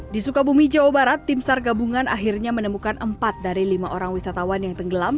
di sukabumi jawa barat tim sar gabungan akhirnya menemukan empat dari lima orang wisatawan yang tenggelam